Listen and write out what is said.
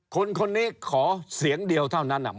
คนนี้ขอเสียงเดียวเท่านั้น